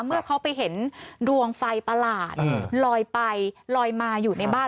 เมื่อเขาไปเห็นดวงไฟประหลาดลอยไปลอยมาอยู่ในบ้าน